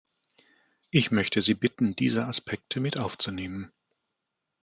Ich möchte Sie bitten, diese Aspekte mit aufzunehmen.